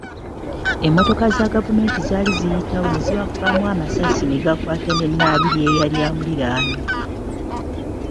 Emmotoka za gavumenti zaali ziyitawo ne zibakubamu amasasi ne gamukwata ne Nnabirye eyali amuliraanye.